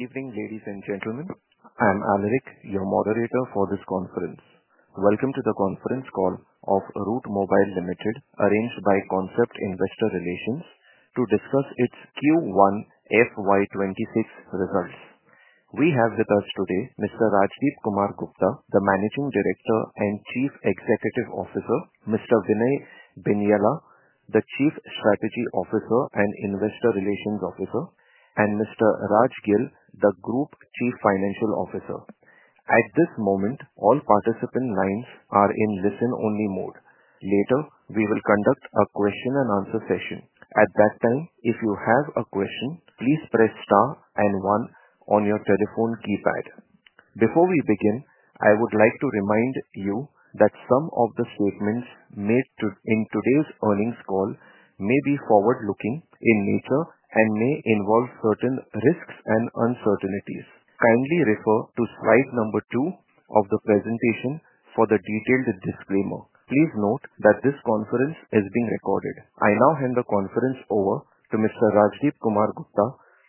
Evening, ladies and gentlemen. I am Alaric, your moderator for this conference. Welcome to the conference call of Route Mobile Limited arranged by Concept Investor Relations to discuss its Q1 FY 2026 results. We have with us today Mr. Rajdipkumar Gupta, the Managing Director and Chief Executive Officer, Mr. Vinay Binyala, the Chief Strategy Officer and Investor Relations Officer, and Mr. Raj Gill, the Group Chief Financial Officer. At this moment, all participant lines are in listen-only mode. Later we will conduct a question-and-answer session. At that time, if you have a question, please press star and one on your telephone keypad. Before we begin, I would like to remind you that some of the statements made in today's earnings call may be forward looking in nature and may involve certain risks and uncertainties. Kindly refer to slide number two of the presentation for the detailed disclaimer. Please note that this conference is being recorded. I now hand the conference over to Mr. Rajdipkumar Gupta,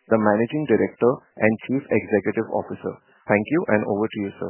the Managing Director and Chief Executive Officer. Thank you, and over to you sir.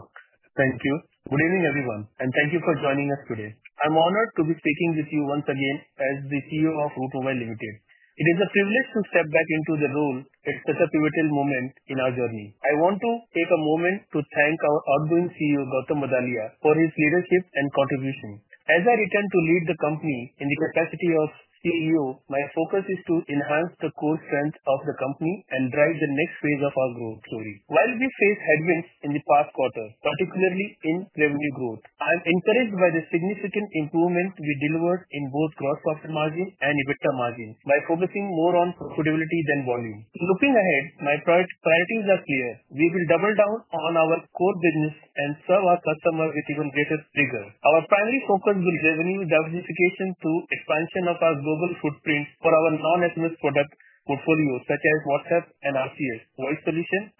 Thank you. Good evening everyone and thank you for joining us today. I'm honored to be speaking with you once again. As the CEO of Route Mobile Limited, it is a privilege to step back into the role at such a pivotal moment in our journey. I want to take a moment to thank our outgoing CEO Gautam Badalia for his leadership and contribution as I return to lead the company in the capacity of CEO. My focus is to enhance the core strength of the company and drive the next phase of our growth story. While we face headwinds in the past quarter, particularly in revenue growth, I am encouraged by the significant improvement we delivered in both gross profit margin and EBITDA margin by focusing more on profitability than volume. Looking ahead, my product priorities are clear. We will double down on our core business and serve our customer with even greater rigor. Our primary focus gives revenue diversification through expansion of our global footprints for our non-ecommerce product portfolios such as WhatsApp and RCS, Voice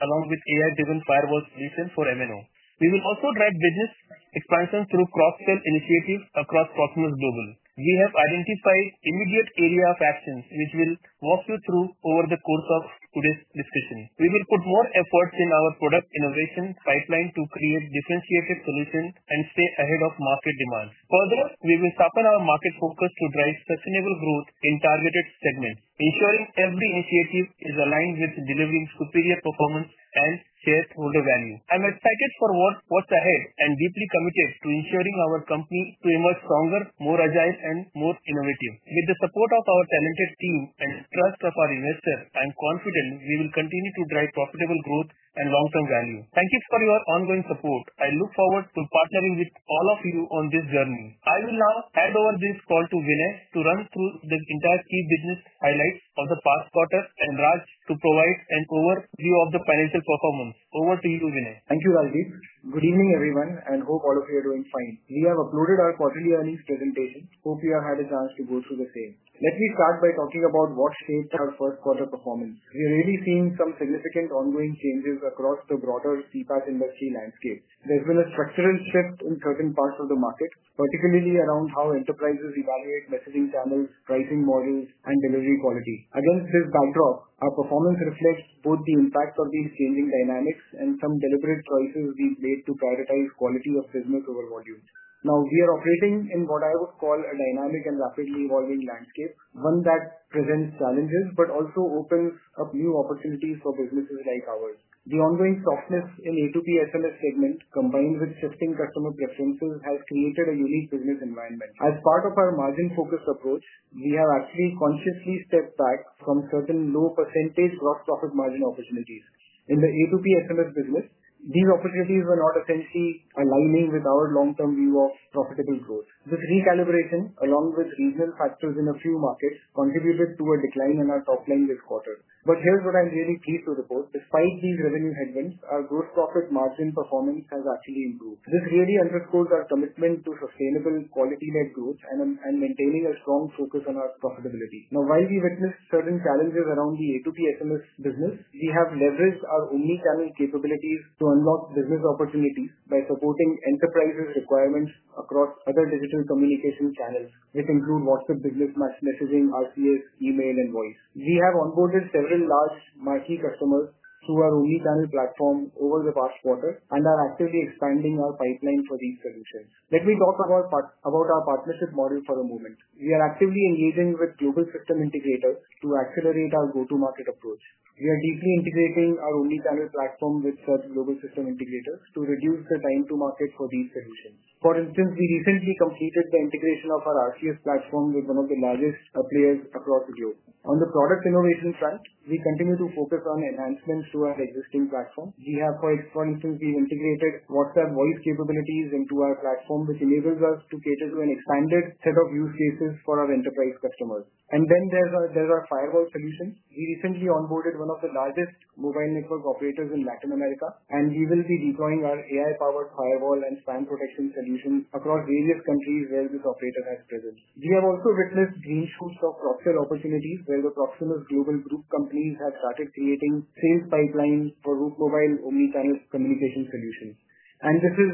along with AI-driven firewall solutions. Reason for MNO we will also drive business expansion through cross-sell initiatives across Proximus Global. We have identified immediate area of action. which will walk you through over the course of today's discussion. We will put more efforts in our product innovation pipeline to create differentiated solutions and stay ahead of market demands. Further, we will sharpen our market focus to drive sustainable growth in targeted segments, ensuring every initiative is aligned with delivering superior performance and shareholder value. I'm excited for what's ahead and deeply committed to ensuring our company to emerge stronger, more agile, and more innovative. With the support of our talented team and trust of our investors, I am confident we will continue to drive profitable growth and long term value. Thank you for your ongoing support. I look forward to partnering with all of you on this journey. I will now hand over this call to Vinay to run through the entire key business highlights of the past quarter and Raj to provide an overview of the financial performance. Over to you, Vinay. Thank you, Ravi. Good evening, everyone, and hope all of you are doing fine. We have uploaded our quarterly earnings presentation. Hope you have had a chance to go through the same. Let me start by talking about what sets us first for the performance. We're really seeing some significant ongoing changes across the broader CPaaS industry landscape. There's been a structural shift in certain parts of the market, particularly around how enterprises evaluate messaging channels, pricing models, and delivery quality. Against this backdrop, our performance reflects both the impact of these changing dynamics and some deliberate choices being played to prioritize quality of business over volumes. Now we are operating in what I would call a dynamic and rapidly evolving landscape, one that presents challenges but also opens up new opportunities for businesses like ours. The ongoing softness in the A2P SMS segment combined with shifting customer preferences has created a unique business environment. As part of our margin-focused approach, we have actually consciously stepped back from certain low percentage gross profit margin opportunities in the A2P SMS business. These opportunities were not essentially aligning with our long-term view of profitable growth. This recalibration, along with reasonable factors in a few markets, contributed to a decline in our top line this quarter. Here's what I'm really pleased to report. Despite these revenue headwinds, our gross profit margin performance has actually improved. This really underscores our commitment to sustainable quality net growth and maintaining a strong focus on our profitability. While we witnessed certain challenges around the A2P SMS business, we have leveraged our omnichannel capabilities to unlock business opportunities by supporting enterprises' requirements across other digital communication channels. It includes WhatsApp Business messaging, RCS, Email, and Voice. We have onboarded several large marquee customers through our omnichannel platform over the past quarter and are actively expanding our pipeline for these services. Let me talk about our partnership model for a moment. We are actively engaging with Google System Integrator to accelerate our go-to-market approach. We are deeply integrating our omnichannel platform with fourth Global System Integrator to reduce the time to market for these solutions. For instance, we recently completed the integration of our RCS platform with one of the largest players across the globe. On the product innovation front, we continue to focus on enhancements to our existing platform. We have now integrated WhatsApp Voice capabilities into our platform, which enables us to cater to an expanded set of use cases for our enterprise customers. There is our firewall solution. We recently onboarded one of the largest mobile network operators in Latin America, and we will be deploying our AI-driven firewall and spam protection solution across various countries where this operator has presence. We have also witnessed green shoots of cross-sell opportunities where the Proximus Group companies have started creating sales pipeline for Route Mobile Limited omnichannel communication solutions, and this is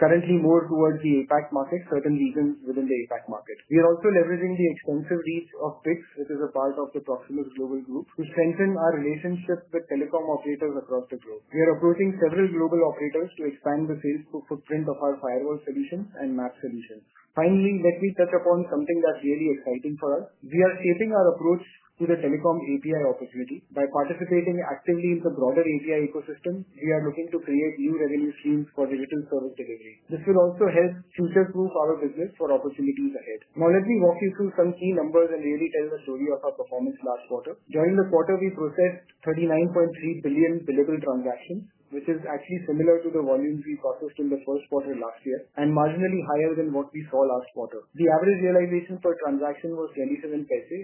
currently more towards the APAC market. Certainly, even within the APAC market, we are also leveraging the extensive reach of BICS, which is a part of the Proximus Group, to strengthen our relationship with telecom operators across the globe. We are approaching several global operators to expand the sales footprint of our firewall solutions and MAP solutions. Finally, let me touch upon something that really is important for us. We are shaping our approach to the telecom API opportunity by participating actively in the broader API ecosystem. We are looking to create new variant teams for digital service delivery. This will also help future-proof our business for opportunities ahead. Now let me walk you through some key numbers and really tell the story of our performance last quarter. During the quarter, we processed 39.3 billion digital transactions, which is actually similar to the volumes we processed in the first quarter last year and marginally higher than what we saw last quarter. The average realization per transaction was 0.27,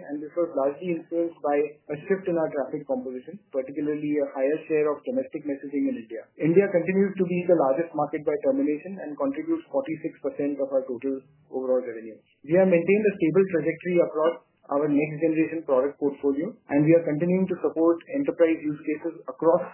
and this was largely influenced by a shift in our traffic composition, particularly a higher share of domestic messaging in India. India continues to be the largest market by termination and contributes 46% of our total overall revenue. We have maintained a stable trajectory across our next-generation product portfolio, and we are continuing to support enterprise use cases across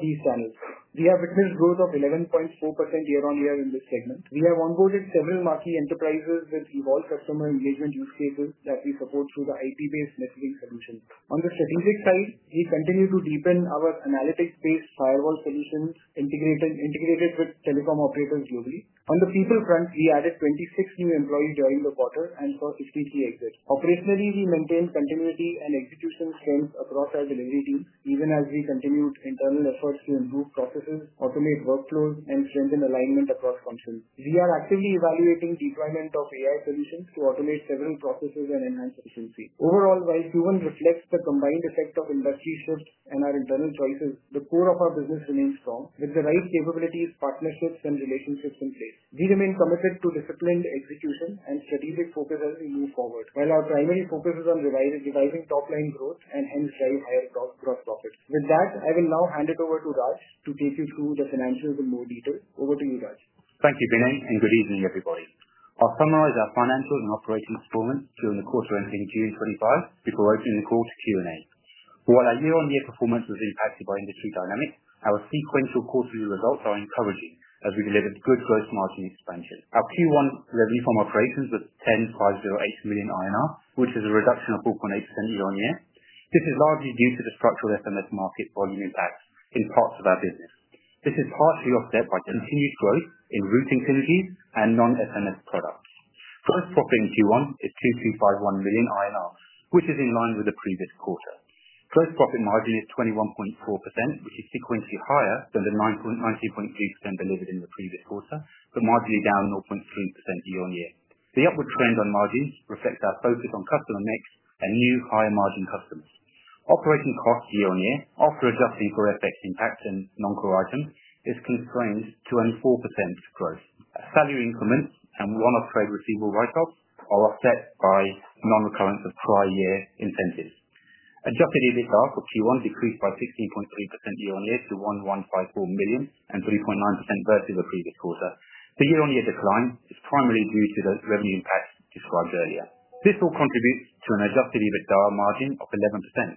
these channels. We have witnessed growth of 11.4% year-on-year. In this segment we have onboarded several marquee enterprises with evolved customer engagement use cases that we support through the IT-based messaging solution. On the statistics side, we continue to deepen our analytics space, firewall pennies, and integrated with telecom operators globally. On the people front, we added 26 new employees during the quarter and for speech, the exit. Operationally, we maintained continuity and execution strength across our delivery team even as we continued internal efforts to improve processes, automate workflows, and strengthen alignment across consoles. We are actively evaluating deployment of AR solutions to automate several processes and enhance efficiency overall. Q1 reflects the combined effect of industry source and our internal choices. The core of our business remains strong with the right capabilities, partnerships, and relationships in place. We remain committed to disciplined execution and strategic focus as we move forward, while our primary focus is on reviving top line growth and hence sharing higher cross profits. With that, I will now hand it over to Raj to take you through the financials in more detail. Over to you, Raj. Thank you, Vinay, and good evening, everybody. I'll summarize our financials and operating installment during the course of entering June 25 to corrosion the course Q&A. While our year-on-year performance was impacted by industry dynamics, our sequential quarterly results are encouraging as we delivered good gross margin expansion. Our Q1 revenue from operations was 10,508 million INR, which is a reduction of 4.8% year-on-year. This is largely due to the structural SMS market volume impact in parts of our business. This is partly offset by continued growth in routing synergies and non-SMS products. Gross profit in Q1 is 2,251 million INR, which is in line with the previous quarter. Gross profit margin is 21.4%, which is sequentially higher than the 19.3% delivered in the previous quarter but marginally down 0.3% year-on-year. The upward trend on margins reflects our focus on customer mix and new higher margin customers. Operating costs year-on-year after adjusted effect and non-core items is constrained to a 4% growth at value increments, and one-off trade receivable write-offs are offset by non-recurrence of prior year incentives. Adjusted EBITDA for Q1 decreased by 16.3% year-on-year to 1,154 million and 3.9% versus the previous quarter. The year-on-year decline is primarily due to the revenue impacts described earlier. This all contributes to an adjusted EBITDA margin of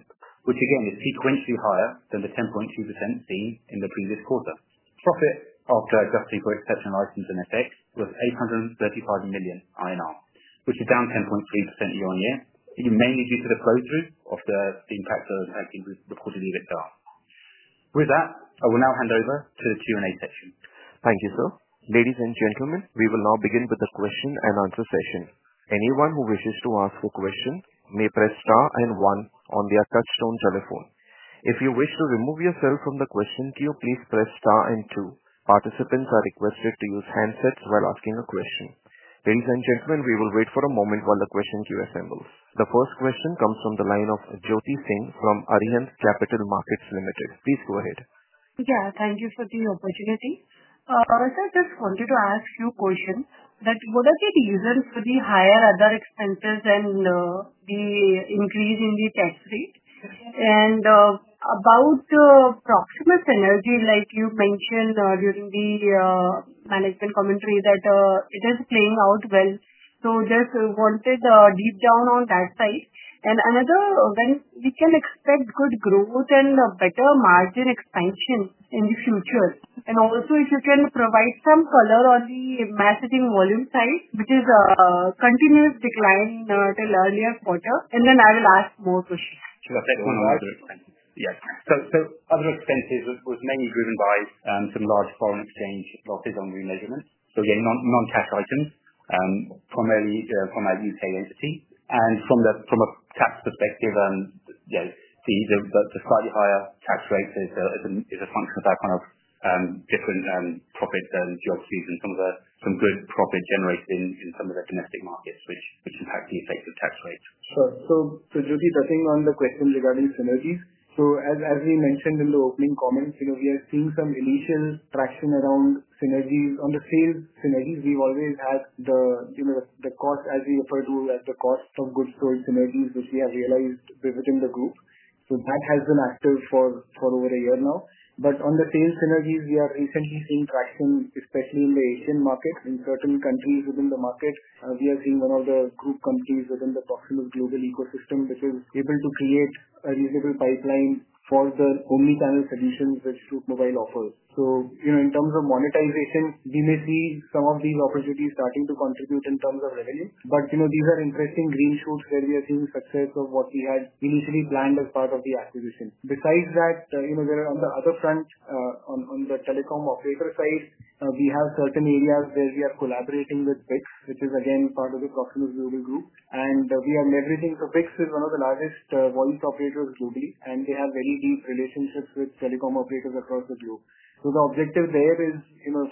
11%, which again is sequentially higher than the 10.2% seen in the previous quarter. Profit after graphic board petroleum items and FX was 835 million INR, which is down 10.3% year-on-year, mainly due to the close view of the steam capture as been reported EBITDA. With that, I will now hand over to the Q&A section. Thank you, sir. Ladies and gentlemen, we will now begin with a question-and-answer session. Anyone who wishes to ask a question may press star and one on their touch-tone telephone. If you wish to remove yourself from the question queue, please press star and two. Participants are requested to use a handset while asking a question. Ladies and gentlemen, we will wait for a moment while the question queue assembles. The first question comes from the line of Jyoti Singh from Arihant Capital Markets Limited. Please go ahead. Thank you for the opportunity. I just wanted to ask you a question about what are the reasons for the higher other expenses and the increase in the tax rate, and about Proximus synergy like you mentioned during the management commentary that it is playing out well. I just wanted to deep down on that side and also when we can expect good growth and better margin expansion in the future. If you can provide some color on the messaging volume side, which is a continuous decline till earlier quarter, then I will ask more questions. Other expenses was mainly driven by some large foreign exchange losses on remeasurements. Again, non-tax items primarily from that U.K. entity. From a tax perspective, yes, fees are slightly higher. Tax rates is a function of that kind of different profit geographies and some of the good profit generated in some of the domestic markets, which impact the effects of tax rates. Jyoti, touching on the question regarding synergies. As we mentioned in the opening comments, we are seeing some initial traction around synergies. On the sales synergies, we've always had the cost, as we refer to as the cost of good synergies, which we have realized visiting the group. That has been active for over a year now. On the pain synergies, we are recently seeing traction, especially in the APAC market. In certain countries within the market, we are seeing one of the group companies within the Proximus Global ecosystem, which is able to create a reasonable pipeline for the omnichannel solutions which Route Mobile offers. In terms of monetization, we see some of these opportunities starting to contribute in terms of revenue. These are interesting green shoots where we are seeing success of what we had initially planned as part of the acquisition. Besides that, on the other front, on the telecom or wafer side, we have certain areas where we are collaborating with BICS, which is again part of the Proximus Group, and we are leveraging. BICS is one of the largest wholesale operators globally and can have very deep relationships with telecom operators across the globe. The objective there is,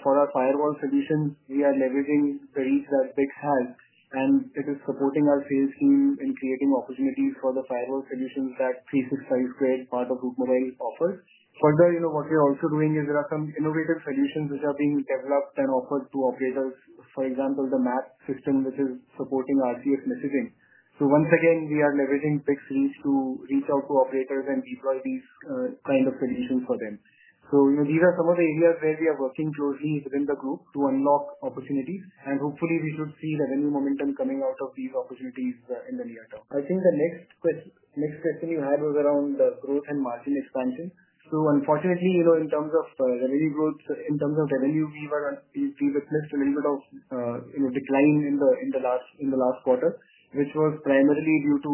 for our firewall solution, we are leveraging our big hub and it is supporting our sales team in creating opportunities for the firewall solutions that are part of the AI-driven firewall solutions. Of Group 9 offers. Further, you know what we are also doing is there are some innovative solutions which are being developed and offered to operators. For example, the MAP system which is supporting RCS messaging. Once again we are leveraging Proximus to reach out to operators and deploy these kind of solutions for them. These are some of the areas where we are working closely within the group to unlock opportunities and hopefully we should see revenue momentum coming out of these opportunities in the near term. I think the next question you had was around growth and margin expansion. Unfortunately, in terms of revenue growth, in terms of revenue we witnessed a little bit of decline in the last quarter which was primarily due to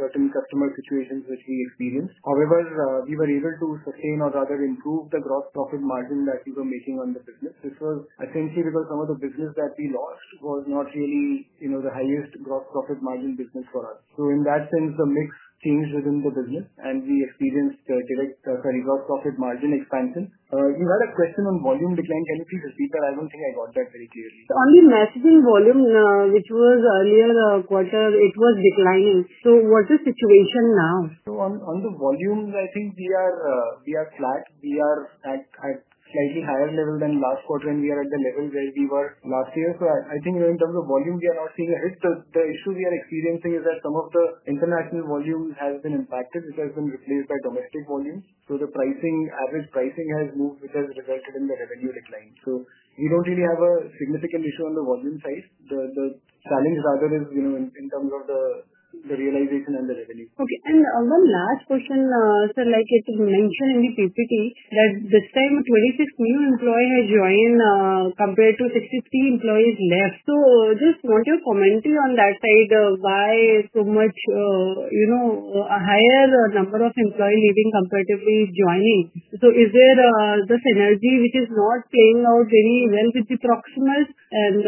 certain customer situations which we experienced. However, we were able to sustain or rather improve the gross profit margin that we were making on the business. This was essentially because some of the business that we lost was not really the highest gross profit margin business for us. In that sense the mix changed within the business and we experienced direct profit margin expansion. You had a question on volume decline tendencies is deeper. I don't think I got that very clearly. On the messaging volume, which was earlier quarter, it was declining. What's the situation now? On the volumes, I think we are flat. We are at slightly higher level than last quarter when we are at the level where we were last year. I think in terms of volume we are not seeing a hit. Still, the issue we are experiencing is that some of the international volume has been impacted. This has been replaced by domestic volume. The average pricing has moved with us, resulted in the revenue decline. We don't really have a significant issue on the volume size. The challenge rather is, you know, in terms of the realization and the revenue. Okay, and one last question sir, like you should mention in the PCT that this time a 26 million employee has joined compared to 6,050 employees left. Just want your commentary on that side. Why so much, you know, a higher number of employees even comparatively joining? Is there the scenario which is not playing out very well with the Proximus and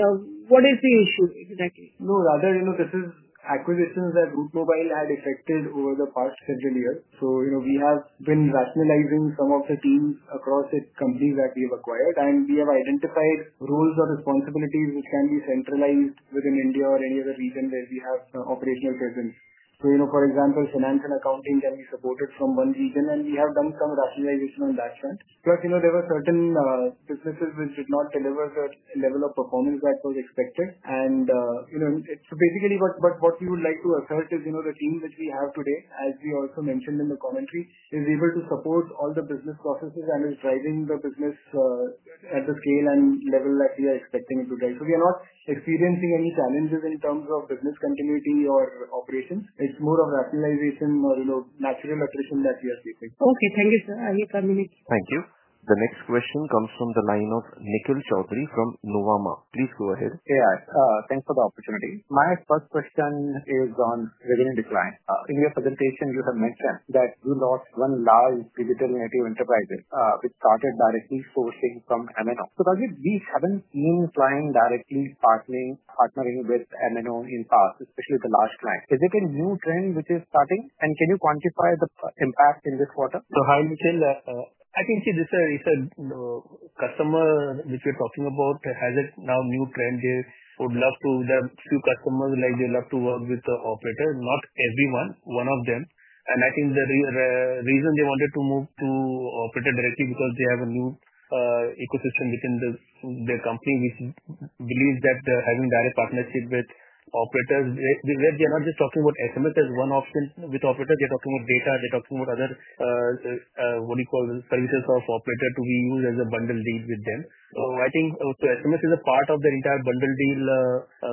what is the issue exactly? No, rather, you know, these are acquisitions that Route Mobile Limited had effected over the past several years. We have been rationalizing some of the teams across the company that we have acquired, and we have identified roles or responsibilities which can be centralized within India or any other region where we have operational presence. For example, finance and accounting can be supported from one region, and we have done some rationalization on that front. Plus, there were certain businesses which did not deliver the level of performance that was expected. What we would like to assert is, the team that we have today, as we also mentioned in the commentary, is able to support all the business processes and is driving the business at the scale and level that we are expecting it to deliver. We are not experiencing any challenges in terms of business continuity or operations. It's more of rationalization or natural attrition that we are facing. Okay, thank you, sir. Thank you. The next question comes from the line of Nikhil Chaudhary from Nuvama. Please go ahead. Yeah, thanks for the opportunity. My first question is on revenue decline. In your presentation, you have mentioned that you lost one large digital-native client which started directly sourcing from MNO. Rajdip, we haven't seen clients directly partnering with MNO in the past, especially the large clients. Is it a new trend which is starting, and can you quantify the impact in this quarter? Hi Nikhil, I can see this. A customer which we're talking about has a now new trend would love to the few customers like they love to work with the operator. Not every one of them, and I think the reason they wanted to move to operator directly is because they have a new ecosystem within the company believes that having direct partnership with operators, talking about SMS as one option with operators, they talk about data, they talk about other, what do you call them, services of operator to be used as a bundle deal with them. I think SMS is a part of their entire bundle deal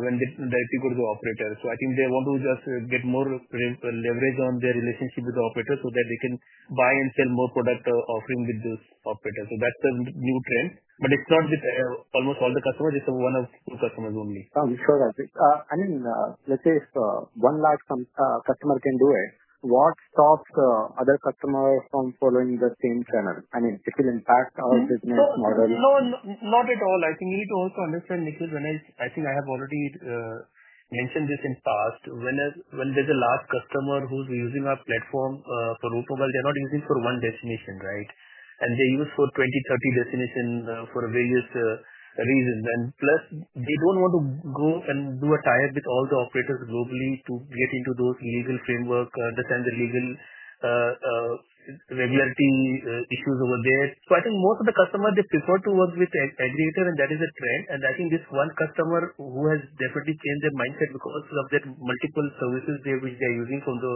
when the IP could go to operator. I think they want to just get more leverage on their relationship with the operator so that they can buy and sell more product offering with the operator. That's a new trend, but it's not with almost all the customers. One of customers only. Oh sure. I mean, let's say if 100,000 customer can do it, what stops other customer from following the same trend? I mean, it will impact our business model. No, not at all. I think you need to also understand, Nicholas, I think I have already mentioned this in the past, when there's a last customer who's using our platform for Route Mobile, they're not using for one destination. Right. They use for 2030 destination for various reasons, plus they don't want to go and do a tie-up with all the operators globally to get into those illegal framework, understand the legal regularity issues over there. I think most of the customers prefer to work with aggregator and that is a trend. I think this one customer has definitely changed their mindset because of that, multiple services which they are using from the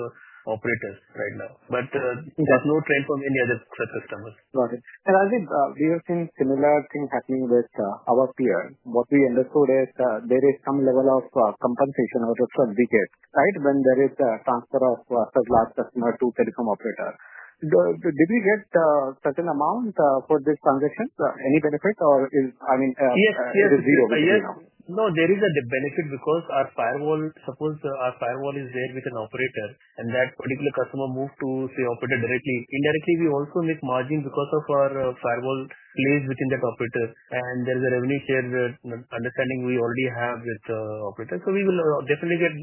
operators right now, but no trend from any other customers. We have seen similar thing happening with our peer. What we understood is there is some level of compensation or subject, right? When there is a transfer of such large customer to telecom operator, did we get certain amount for this transaction? Any benefit or is. I mean. Yes, no, there is a benefit because our firewall, suppose our firewall is there with an operator, and that particular customer moves to, say, operator directly or indirectly. We also make margin because of our firewall place within that operator, and there is a revenue share with understanding we already have with operators. We will definitely get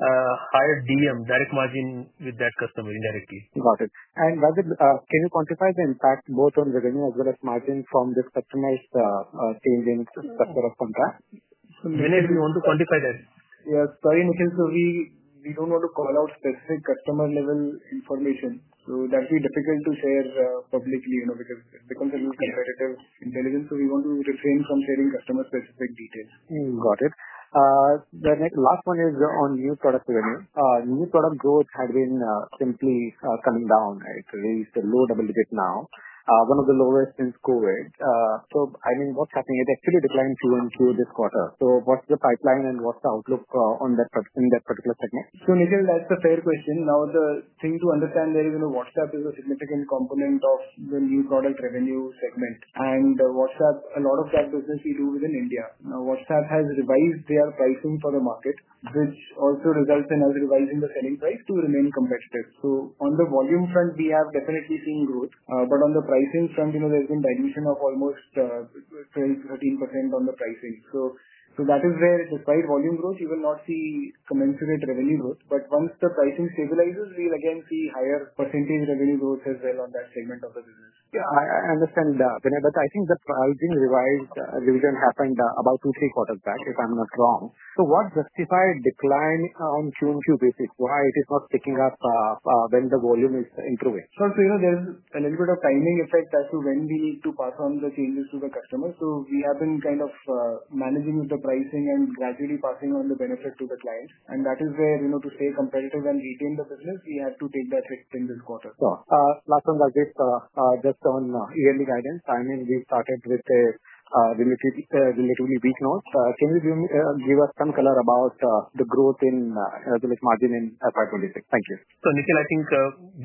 little higher. Direct margin with that customer indirectly. Got it. Rajdip, can you quantify the impact both on revenue as well as margin from this customized change in sector of contract? Vinay, do you want to quantify that. Yes, sorry, Nikhil. We don't want to call out specific customer level information. That's difficult to share publicly, you know, because it becomes a new competitive intelligence. We want to refrain from sharing customer specific details. Got it. The next one is on new product revenue. New product growth had been simply coming down, right? Raised a low double digit now one of the lowest since COVID. I mean what's happening? It actually declined few and through this quarter. What's your pipeline and what's the outlook on that in that particular segment? Nikhil, that's a fair question. The thing to understand there is WhatsApp is a significant component of the new product revenue segment and WhatsApp, a lot of that business we do within India. WhatsApp has revised their pricing for the market, which also results in us revising the selling price to remain competitive. On the volume front we have definitely seen growth, but on the pricing front, there's been dilution of almost 14% on the pricing. So. That is where despite volume growth you will not see some infinite revenue growth. Once the pricing stabilizes, we will again see higher % revenue growth as well on that segment of the business. Yeah, I understand, but I think the pricing revision happened about 2, 3/4 back if I'm not wrong. What justified decline on June Q basis? Why is it not picking up when the volume is improving? There is a little bit of timing effect as to when we need to perform the changes to the customer. We have been kind of managing the pricing and gradually passing on the benefit to the clients, and that is where, to stay competitive and retain the business, we had to take that risk in this quarter. Just on yearly guidance timing, we started with relatively weak notes. Can you give us some color about the growth in margin in FY 2026? Thank you, Nikhiin. I think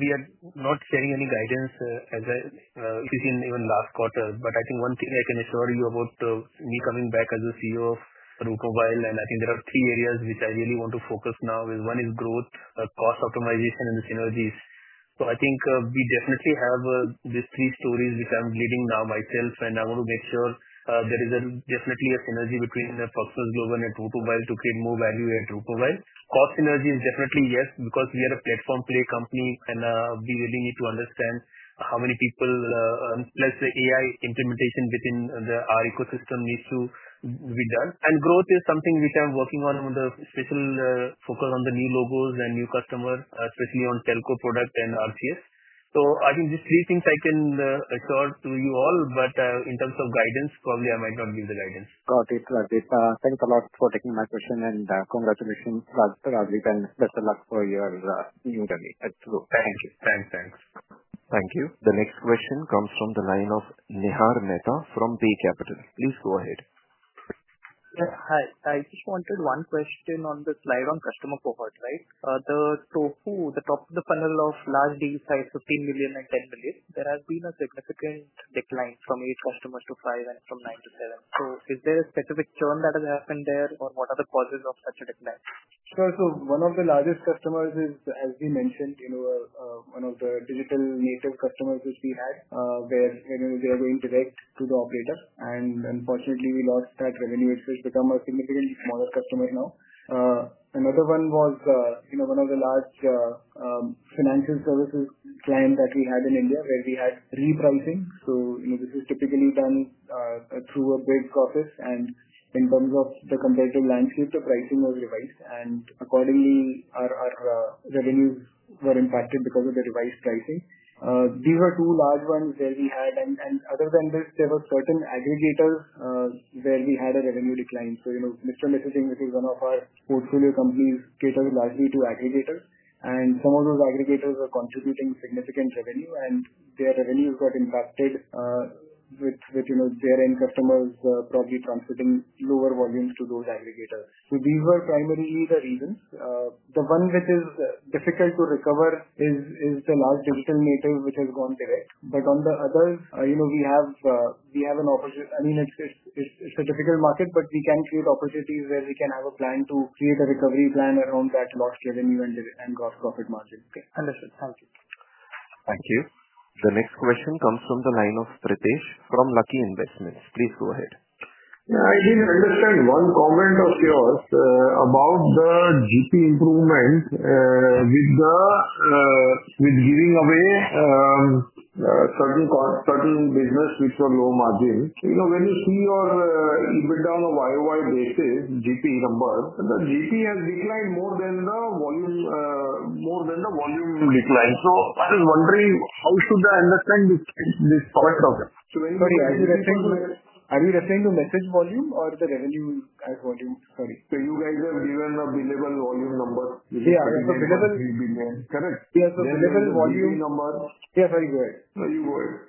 we are not sharing any guidance as I said even last quarter, but I think. One thing I can assure you about. Me coming back as CEO Route Mobile and I think there are three areas which I really want to focus now. One is growth, cost optimization, and synergies. I think we definitely have these three stories which I'm leading now myself and I want to make sure there is definitely a synergy between Proximus and Route Mobile to create more value at Route. While cost synergy is definitely yes because we are a platform play company and we really need to understand how many people plus the AI implementation within our ecosystem should be done and growth is something which I'm working on with special focus on the new logos and new customer especially on telco product and RCS. I think these three things I can talk to you all but in terms of guidance probably I might. Not give the guidance. Got it. Thanks a lot for taking my question, and congratulations for your thanks. Thanks. Thank you. The next question comes from the line of Nihar Mehta from Pay Capital. Please go ahead. Hi, I just wanted one question on the slide on customer cohort, right, the top of the funnel of large D site $15 million and $10 million, there has been a significant decline from eight customers to five and from nine to seven. Is there a specific churn that has happened there or what are the causes of such a decline? One of the largest customers is, as we mentioned, one of the digital-native customers which we had, where they are going directly to the operator and unfortunately we lost that revenue, which has become a significantly smaller customer now. Another one was one of the large financial services clients that we had in India where we had repricing. This is typically done through a bridge process and in terms of the competitive landscape, the pricing was revised and accordingly our revenues were impacted because of the revised pricing. These are two large ones that we had. Other than this, there were certain aggregators where we had a revenue decline. Mixer Messaging, which is one of our portfolio companies, catered largely to aggregators and some of those aggregators are contributing significant revenue and their revenues got impacted with their end customers probably transferring lower volumes to those aggregators. These were primary reasons. The one which is difficult to recover is the large digital-native which has gone today. On the other, we have an opportunity. I mean, it's a difficult market, but we can create opportunities where we can have a plan to create a recovery plan around catch loss revenue and gross profit margin. Understood, thank you. Thank you. The next question comes from the line of Pritesh from Lucky Investments. Please go ahead. I didn't understand one comment of yours about the GP improvements with the, with giving away certain business which are low margin. You know when you see your EBITDA on a YoY basis, GP number, the GP has declined more than the volume, more than the volume decline. I was wondering how should I understand this. Are you referring the message volume or the revenue as volume? Sorry. You guys have given a billable volume number. Yeah.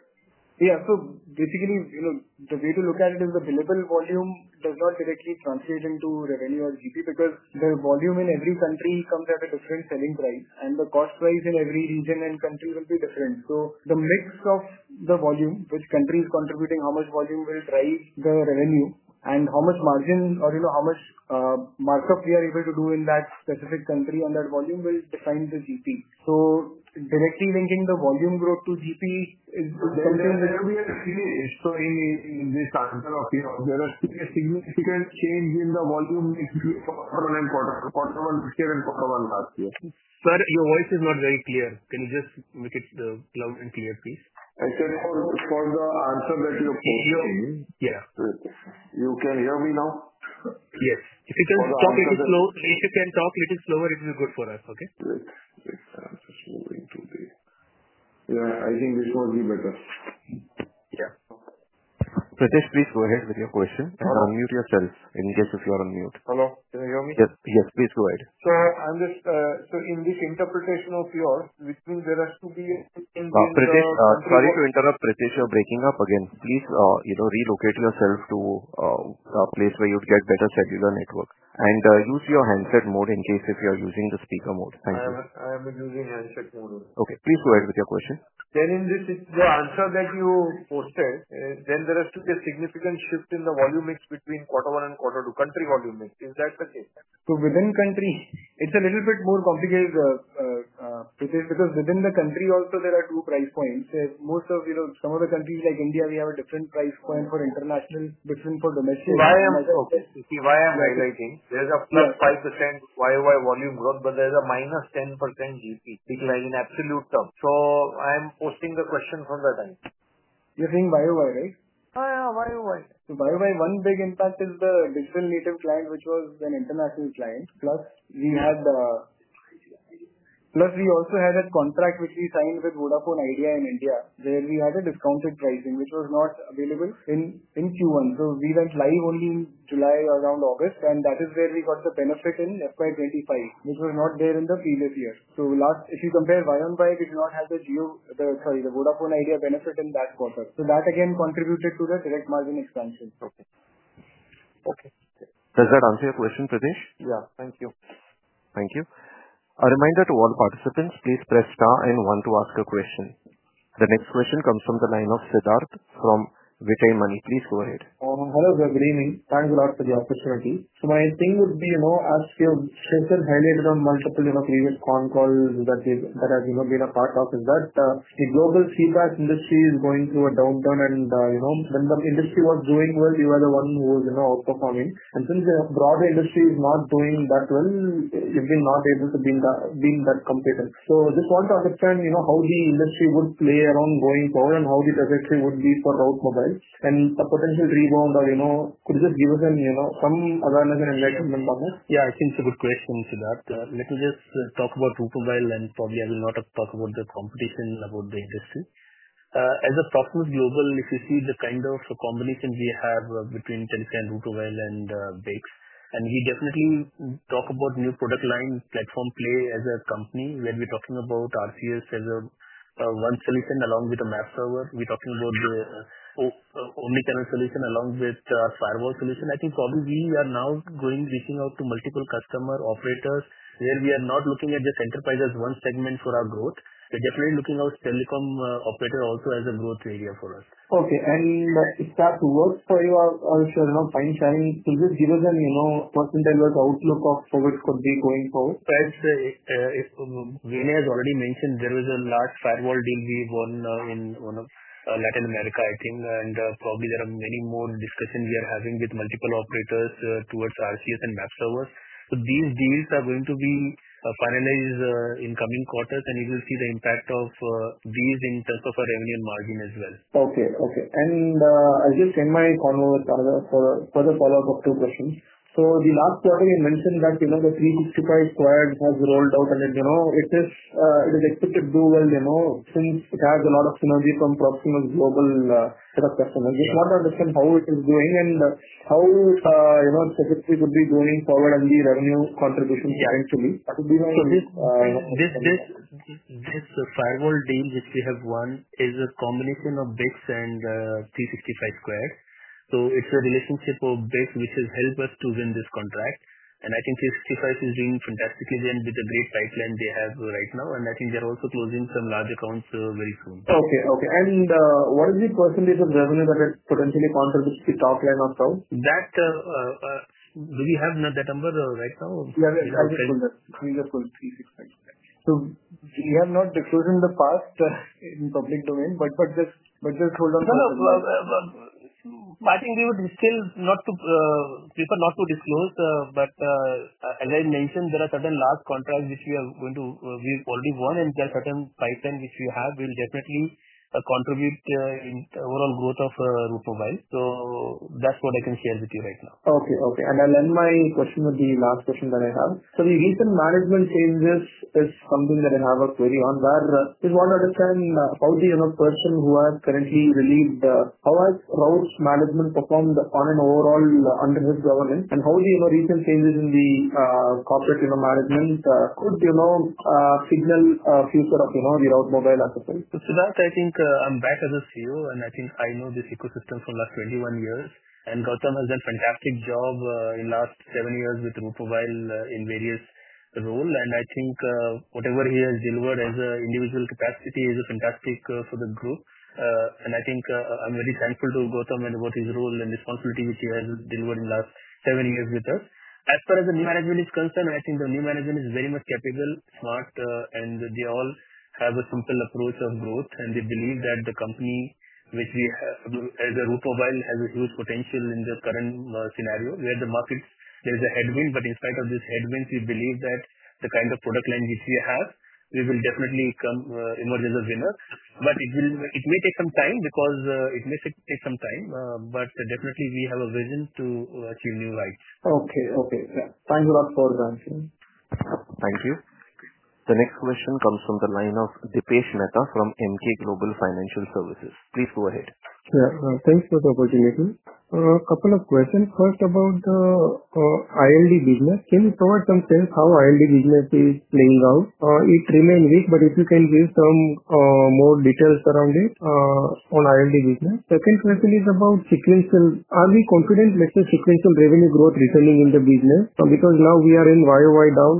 Basically, you know the way to look at it is the volume does not directly translate into revenue or GP because the volume in every country comes at a constant selling price, and the cost price in every region and country will be different. The mix of the volume, which country is contributing, how much volume will raise the revenue, and how much margin or, you know, how much markup we are able to do in that specific country on that volume will define the GP. Directly linking the volume growth to GP in this article of year significant change in the volume. Sir, your voice is not very clear. Can you just make it loud and clear, please? For the answer that you can hear me. Yes. Can you hear me now? Yes, if you can talk a little slower is good for us. Okay. Please go ahead with your question. Unmute yourself in case you are on mute. Hello, can you hear me? Yes, yes, please go ahead. I'm just in this interpretation of your, which means there has to be. Sorry to interrupt, Pritesha you're breaking up again. Please, you know, relocate yourself to a place where you get better cellular network and use your handset mode in case you are using the speaker mode. I am using handset mode. Okay, please go ahead with your question. In this, the answer that you posted, there has to be a significant shift in the volume mix between quarter one and quarter two country volume mix. Is that the case? Within country, it's a little bit more complicated because within the country also there are two price points. Most of you know, some of the countries like India, we have a different price point for international, different for domestic. Why I'm writing there's a +5% YoY volume growth but there's a -10% GP decline absolute top, so I am posting the question from the time. You're saying YoY, right? One big impact is the digital-native client, which was an international client. Plus, we also had that contract which we signed with Vodafone Idea in India, where we have a discounted pricing which was not available in Q1. We went live only in July, around August, and that is where we got the benefit in FY 2025, which was not there in the previous year. If you compare, YoY did not have the Vodafone Idea benefit in that quarter, so that again contributed to the direct margin expansion profit. Okay. Does that answer your question? Pritesh. Yeah, thank you. Thank you. A reminder to all participants, please press star and one to ask a question. The next question comes from the line of Siddhartha from Vittae Money. Please go ahead. Hello, good evening. Thanks a lot for the opportunity. My thing would be, you know. You highlighted on multiple period con calls that the global CPaaS industry is going through a downturn, and when that industry was growing well, you were the one who was outperforming. Since the broader industry is not doing that well, you think not able to be that competent. I just want to understand how the industry would play around going forward and how the projection would be for Route Mobile and the potential rebound. Could you just give us any, you know, some advantage and enlightenment. Yeah, I think it's a good question, Siddharth. Let me just talk about Route Mobile. I will not have talked about the competition about the industry. As a software global, if you see the kind of combination we have between Telesign and Route Mobile and BICS and we definitely talk about new product lines, platform play as a company where we're talking about RCS as a one solution along with a MapServer, we're talking about the omnichannel solution along with firewall solution. I think probably we are now going, reaching out to multiple customer operators where we are not looking at just enterprise. As one segment for our growth. We're definitely looking out telecom operator also as a growth area for us. Okay. Does that work for you also? Fine. Sharing, can you just give us a, you know, percentile outlook of the going forward? As already mentioned, there was a large firewall deal we won in Latin America, I think, and probably there are many more discussions we are having with multiple operators towards RCS and MapServer. These deals are going to be finalized in coming quarters, and you will see the impact of these in terms of revenue and margin as well. Okay. I'll just end my convert for further follow up of two questions. The last you mentioned that the 365squared has rolled out and if expected do well, they know since it has a lot of synergy from Proximus Global set of customers. Just want to understand how it is doing and how you know would be going forward, and the revenue contribution. This firewall deal which we have won is a combination of BICS and 365squared. It is a relationship of this which has helped us to win this contract. I think 365squared is doing fantastically well with the great pipeline they have right now. I think they're also closing some large accounts very soon. What is the percentage of revenue that will potentially contradict the top line up front? Do you have that number right now? We are not excluded in the past in public domain. Just hold on. I think we would still prefer not to disclose. As I mentioned, there are certain last contracts which we already won and certain pipelines, if you have, will definitely contribute in overall growth of Route Mobile. That's what I can share with you right now. I'll end my question with the last question that I have. The recent management changes is something that I have a query on, where I want to understand how the person who has currently released, how has Route Mobile management performed overall under his governance, and how the recent changes in the corporate management could signal the future of the Route Mobile enterprise. Siddharth, I think I'm back. CEO, and I think I know this ecosystem for last 21 years and Gautam has done fantastic job in last seven years with Route Mobile in various role. I think whatever he has delivered as an individual capacity is a fantastic for the growth. I think I'm very thankful to Gautam and what his role and responsibility with you delivered in last seven years with us. As far as the new management is concerned, I think the new management is very much capable, smart and they all have a simple approach of growth and they believe that the company which we as a group of oil has a huge potential in the current scenario where the markets there is a headwind. In spite of this headwinds we believe that the kind of product line which we have, we will definitely come emerge as a winner.It may take some time because it may take some time but definitely we have a vision to achieve new lights. Okay. Okay. Thanks a lot for the answer. Thank you. The next question comes from the line of Dipesh Mehta from MK Global Financial Services. Please go ahead. Yeah, thanks for the opportunity. A couple of questions. First about the ILD business. Can you provide some sense how ILD business is playing out? It remains rich, but if you can give some more details around it on ILD business. Second question is about sequential, are we confident, let's say, sequential revenue growth reasoning in the business because now we are in YoY down.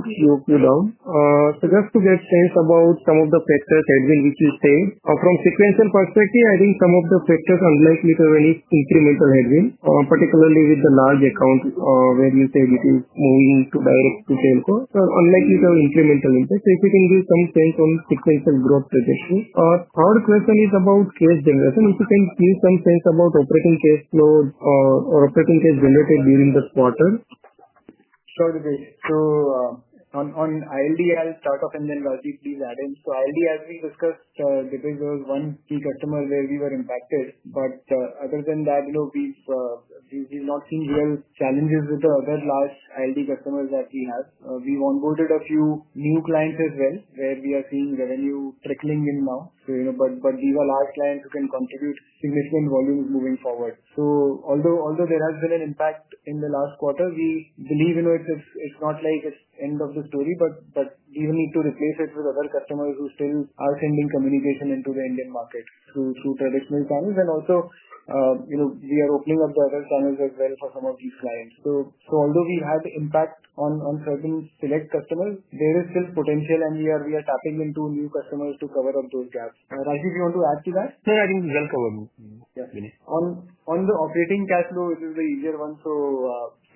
Just to get sense about some of the factors, headwind which you say from sequential perspective, I think some of the factors unless we have any incremental headwind, particularly with the large account where you said it is moving to direct MNO sourcing, unlike you have incremental impact. If you can give some sense on sequential growth projection. Our third question is about sales generation. If you can give some sense about operating cash flow or operating cash generated during the quarter. On ILD, I'll start up and then Rajdip, please add in. ILD, as we discussed, depends, was one key customer where we were impacted. Other than that, we've not seen real challenges with our other large ILD customers that we have. We onboarded a few new clients as well where we are seeing revenue trickling in now, but these are large clients who can contribute significant volumes moving forward. Although there has been an impact in the last quarter, we believe it's not like end of the story, but we need to replace it with other customers who still are sending communication into the Indian market through TEDXML funnels. Also, we are opening up the other corners as well for some of these clients. Although we have impact on certain select customers, there is still potential and we are tapping into new customers too. Cover up those gaps. If you want to add to that. On the operating cash flow, it is the easier one.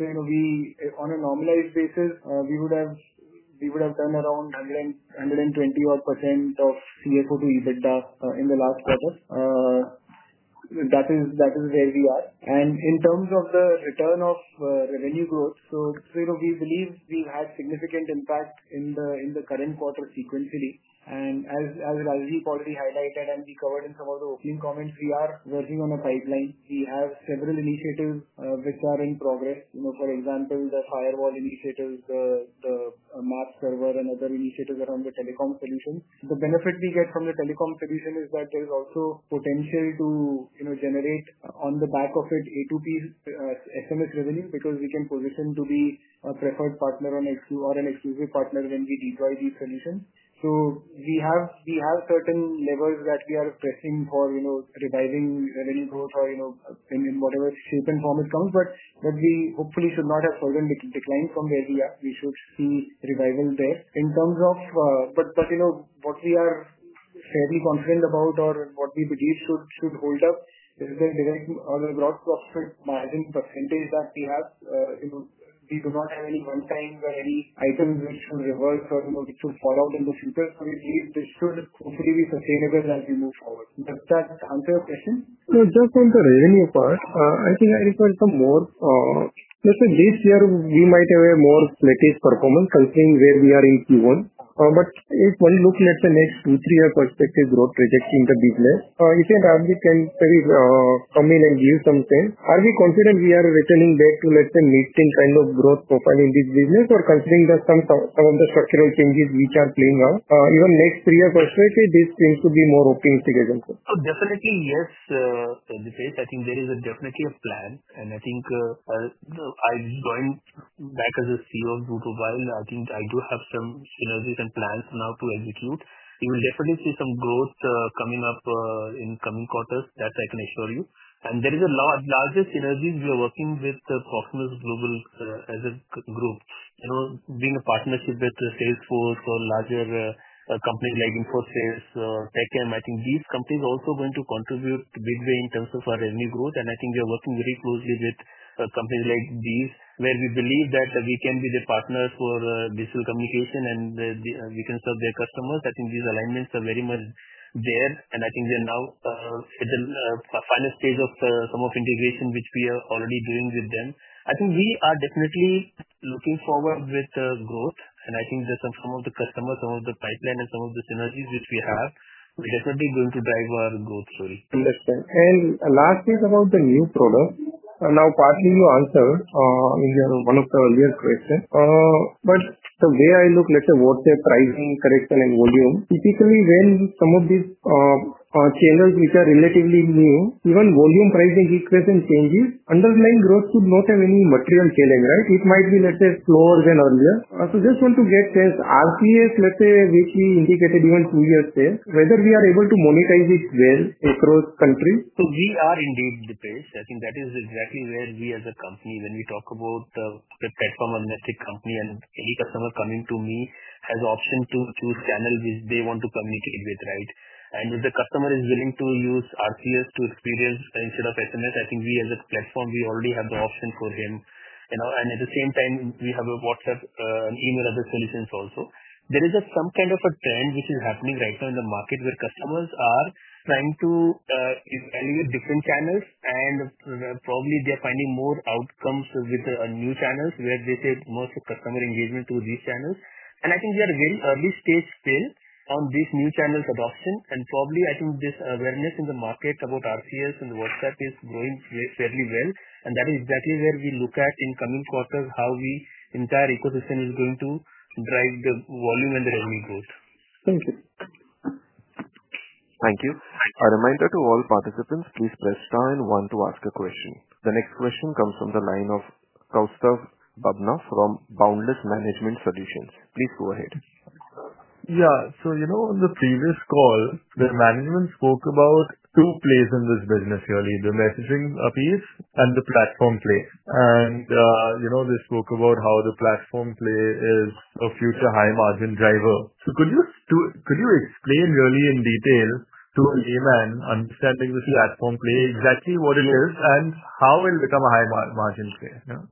On a normalized basis, we would have done around 120% of CFO in the last quarter. That is where we are, and in terms of the return of revenue growth, we believe we've had significant impact in the current quarter sequencity, and as Rajdipkumar already highlighted and we covered in some of the opening comments, we are working on a pipeline. We have several initiatives which are in progress. For example, the firewall initiative, the MapServer, and other initiatives around the telecom solution. The benefit we get from the telecom solution is that there's also potential to generate on the back of it A2P SMS revenue because we can position to be a preferred partner on XU or an exclusive partner when we deploy the excellent. We have certain levels that we are pressing for, reviving rent growth or in whatever shape and form it comes. We hopefully should not have certain decline from where we are. We should see revival there in terms of what we are fairly confident about or what we believe should hold up margin percentage that we have. We do not have any one-time items which will reverse or fall out in the future. This will hopefully be sustainable as we move forward. Just on the revenue part, I think I request some more this year. We might have a more latest performance, something where we are in Q1, but if one looks at the next two or three year perspective, growth project in the business can come in and give something. Are we confident we are returning back to let the mixing kind of growth profile in this business, or considering some of the structural changes which are playing out, even next three or four, this seems to be more optimistic. Yes, I think there is definitely a plan and I think I'm going back as CEO of Route Mobile Limited. I do have some synergies and plans now to execute. You will definitely see some growth coming up in coming quarters, that I can assure you. There are a lot larger synergies. We are working with Proximus Global as a group, you know, being in partnership with Salesforce or larger companies like Infosys or Tech. I think these companies are also going to contribute in a big way in terms of our revenue growth. We are working very closely with companies like these where we believe that we can be the partners for digital communication and we can serve their customers. These alignments are very much there and they're now at the final stage of some of the integration which we are already doing with them. We are definitely looking forward to growth and I think that on some of the customers, some of the pipeline, and some of the synergies which we have, are definitely going to drive our growth story. Lastly, about the new product. Now, partly you answer in one of the earlier questions, but where I look, let's say, what's their pricing correction and volume? Typically, when some of these channels, which are relatively new, even volume pricing equation changes, underlying growth should not have any material challenge. Right. It might be, let's say, slower than earlier. Just want to get a sense, RCS, let's say we indicated even two years there, whether we are able to monetize it well across countries. We are indeed the pace. I think that is exactly where we as a company, when we talk about platform or Netflix company, and any customer coming to me has option to choose channel which they want to communicate with. Right. If the customer is willing to use RCS to experience instead of SMS, I think we as a platform already have the option for them. At the same time, we have WhatsApp, email, and address solutions. There is a trend happening right now in the market where customers are trying to evaluate different channels and probably they are finding more outcomes with new channel engagement to these channels. I think we are at a very early stage still on these new channels adopting and probably this awareness in the market about RCS and WhatsApp is growing fairly well. That is exactly where we look at in coming quarters, how the entire ecosystem is going to drive the volume and the revenue growth. Thank you. A reminder to all participants, please press star and one to ask a question. The next question comes from the line of Kaustav Bhagna from Boundless Management Solutions. Please go ahead. Yeah, you know on the previous call the management spoke about two plays in this business, really the messaging piece. The platform play. They spoke about how the platform play is a future high margin driver. Could you explain really in detail to my understanding the platform play, exactly what it is and how it will become a high margin,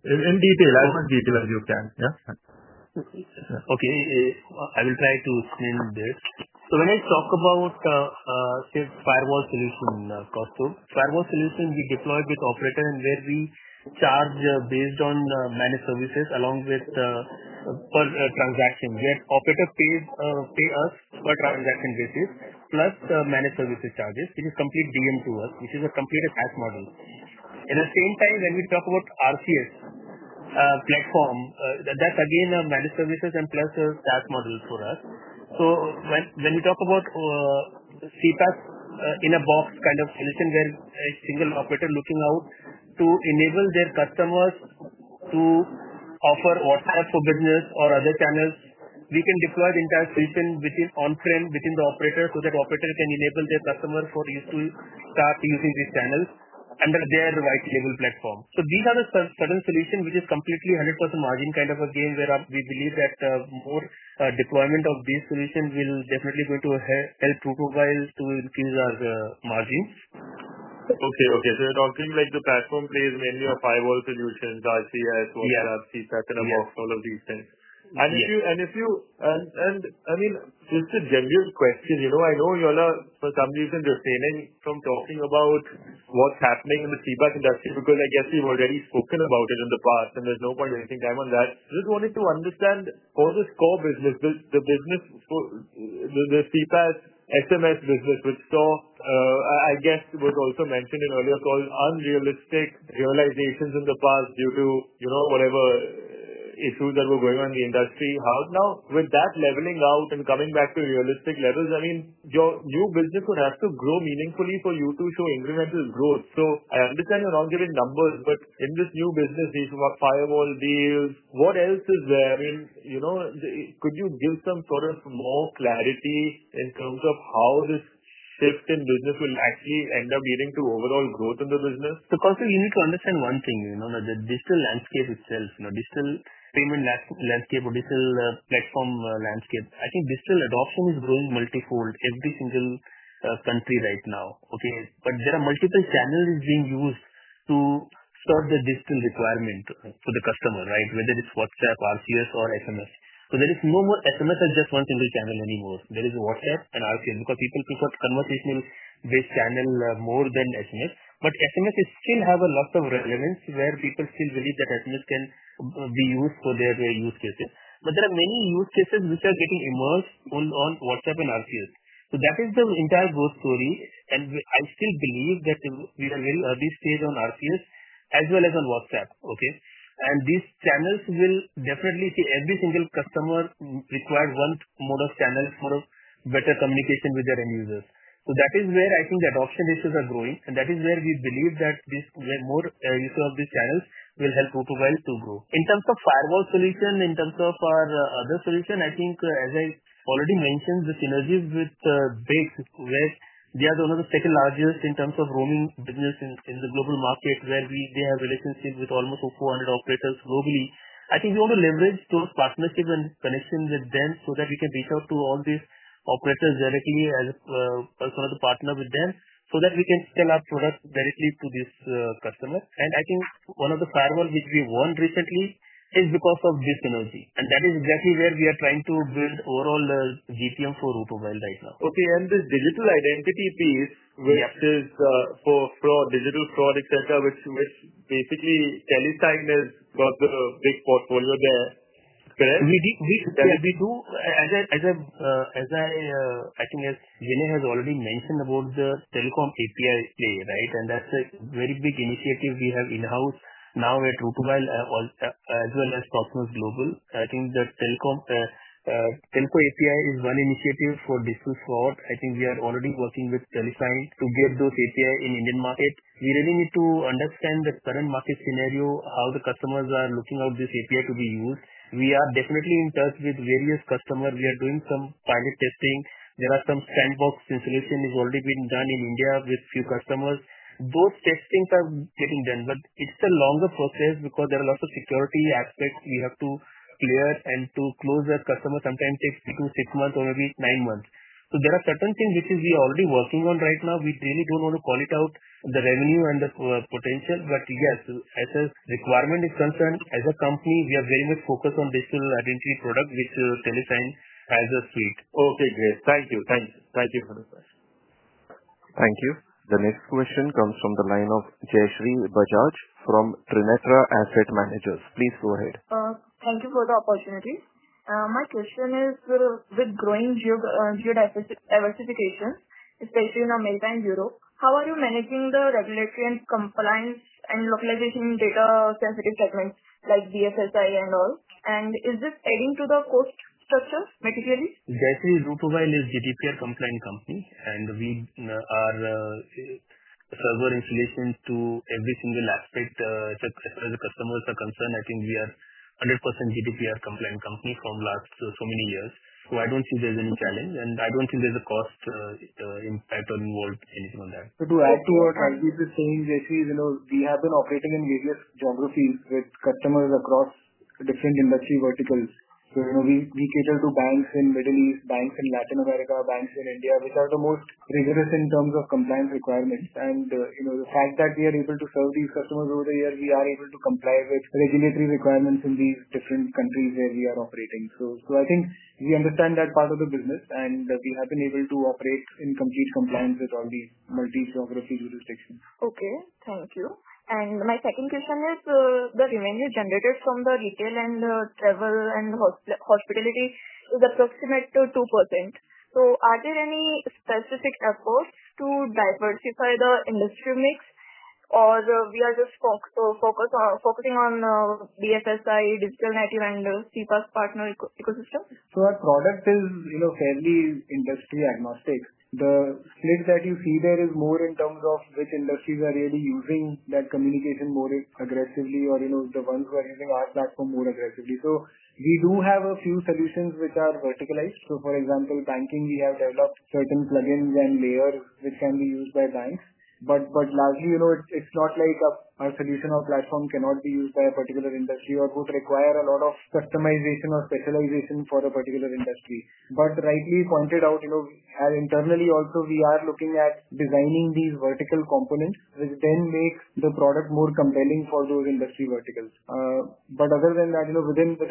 in detail. As much detail as you can. Yes. Okay, I will try to film this. When I talk about firewall solution, custom firewall solution we deployed with operator and where we charge based on managed services along with transaction. Yes, operator pays, pay us for transaction basis plus the managed services charges. This is complete DM to work which is a completed path model. At the same time, when we talk about RCS platform, that's again a managed services and plus a task model for us. When we talk about the CPaaS in a box kind of solution where a single operator looking out to enable their customers to offer WhatsApp Business API or other channels, we can deploy the entire system on-prem within the operator so the operator can enable their customer for use to start using this channel under their right level platform. These are the certain solution which is completely 100% margin kind of again where we believe that more deployment of this solution will definitely help Route Mobile to increase our margins. Okay, okay. You're talking like the platform play, many of Voice solutions, RCS, all of these things. I mean, such a genuine question, you know, I know you all are for some reason refraining from talking about what's happening in the CPaaS industry because I guess you've already spoken about it in the past and there's no point wasting time on that. Just wanted to understand for the core business, the business SMS business, which I guess was also mentioned in earlier call, unrealistic realizations in the past due to, you know, whatever issues that were going on in the industry. Now with that leveling out and coming back to realistic levels, your new business would have to grow meaningfully for you to show incremental growth. I understand you're not giving numbers, but in this new business, these firewall deals, what else is there? Could you give some sort of more clarity in terms of how this shift in business will actually end up leading to overall growth in the business? You need to understand one thing. The digital landscape itself, digital payment landscape, platform landscape, I think digital adoption is growing multifold every single country right now. There are multiple channels being used to store the digital requirement for the customer, right, whether it's WhatsApp, RCS, or SMS. There is no more SMS as just one single channel anymore. There is WhatsApp and RCS because people think of conversational-based channel more than SMS. SMS still has a lot of replacements where people still believe that SMS can be used for their use cases. There are many use cases which are getting involved on WhatsApp and RCS. That is the entire growth story. I still believe that we are very early stage on RCS as well as on WhatsApp. Okay. These channels will definitely see every Google customer required one modus channel for better communication with their end users. That is where I think the adoption issues are growing, and that is where we believe that the more use of these channels will help Route Mobile to grow. In terms of firewall solution, in terms of our other solution, I think as I already mentioned, the synergies with BICS, they are one of the second largest in terms of roaming business in the global market, where they have relationships with all MNOs and operators globally. I think we want to leverage sort of partnership and connection with them so that we can reach out to all these operators directly as partner with them so that we can sell our product directly to this customer. I think one of the firewall which we won recently is because of this tenancy, and that is exactly where we are trying to build overall VPN for Route Mobile right now. This digital identity piece, which is for digital fraud, etc., which basically Telesign is not the big portfolio there. We do, as I think has already mentioned, about the telecom API play, right. That's a very big initiative we have in house now at Route Mobile as well as Proximus Global. I think that telco API is one initiative for this, for I think we are already working with Telesign to get those API in Indian market. We really need to understand the current. Market scenario how the customers are looking out this API to be used. We are definitely in touch with various customers. We are doing from pilot testing. There are some sandbox installations already being done in India with few customers. Both testings are getting done, but it's a longer process because there are lots of security aspects you have to clear, and to close that customer sometimes six to six months or every nine months. There are certain things which we already working on right now. We really don't want to call it out the revenue and the potential. Yes, as a requirement is concerned, as a company we are very much focused on digital identity product which Telesign has as a suite. Okay, great. Thank you. Thanks. Thank you for the question. Thank you. The next question comes from the line of Jayshree Bajaj from Trinetra Asset Managers. Please go ahead. Thank you for the opportunity. My question is with growing geographies diversification, especially in America and Europe, how are you managing the regulation compliance and localization data traffic techniques like VSSI and all, and is this adding to the cost structure materially? Definitely. Route Mobile Limited is a GDPR compliant company and we have server installations to every single aspect. As far as the customers are concerned, I think we are 100% GDPR compliant company from last so many years. I don't think there's any challenge and I don't think there's a cost impact or involved anything on that. To add to what Rajdipkumar is saying. We have been operating in geographies with customers across different industry verticals. We cater to banks in the Middle East, banks in Latin America, and banks in India, which are the most rigorous in terms of compliance requirements. The fact that we are able to serve these customers over the year means we are able to comply with regulatory requirements in these different countries where we are operating. So, I think we understand that part of the business, and we have been able to operate in complete compliance with all these multi-sovereign sections. Thank you. My second question is the revenue generated from the retail and travel and hospitality is approximately 2%. Are there any specific efforts to diversify the industry mix, or are we just focusing on BSSI digital native and CPaaS partner ecosystem? Our product is, you know, fairly industry agnostic. The slide that you see there is more in terms of which industries are really using that communication more aggressively or, you know, the ones who are using our platform more aggressively. We do have a few solutions which are verticalized. For example, banking, we have developed certain plugins and layers which can be used by banks. Largely, you know, it's not like our solution or platform cannot be used by a particular industry or would require a lot of customization or specialization for a particular industry. Rightly pointed out, you know, internally also we are looking at designing these vertical components which then make the product more compelling for those industry verticals. Other than that, you know, within the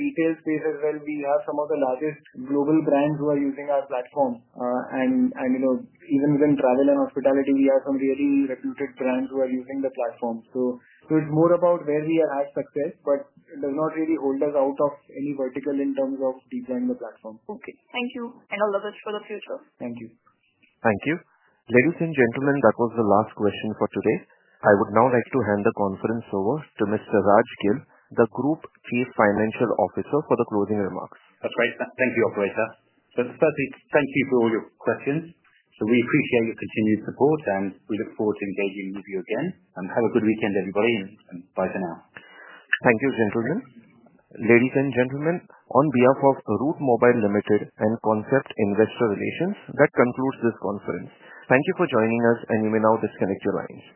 retail space as well, we have some of the largest global brands who are using our platform and, you know, even within travel and hospitality we have some really renowned brands who are using the platform. It's more about where we are successful, but it does not really hold us out of any vertical in terms of design of the platform. Okay, thank you and all the best for the future. Thank you. Thank you, ladies and gentlemen. That was the last question for today. I would now like to hand the conference over to Mr. Raj Gill, the Group Chief Financial Officer, for the closing remarks. That's right. Thank you, operator. Thank you for all your questions. We appreciate your continued support, and we look forward to engaging with you again. Have a good weekend, everybody. Bye for now. Thank you, ladies and gentlemen. On behalf of Route Mobile Limited and Concepts Investor Relations, that concludes this conference. Thank you for joining us. You may now disconnect your line.